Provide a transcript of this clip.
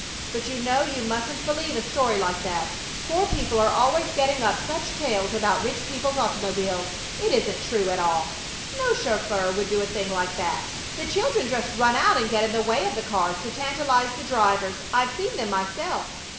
"But you know you mustn't believe a story like that! Poor people are always getting up such tales about rich people's automobiles. It isn't true at all. No chauffeur would do a thing like that! The children just run out and get in the way of the cars to tantalize the drivers. I've seen them myself.